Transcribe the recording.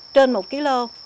trên một kg